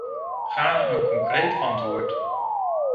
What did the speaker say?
Gaarne een concreet antwoord.